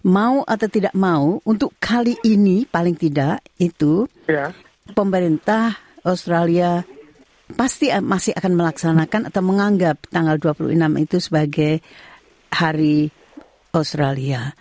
mau atau tidak mau untuk kali ini paling tidak itu pemerintah australia pasti masih akan melaksanakan atau menganggap tanggal dua puluh enam itu sebagai hari australia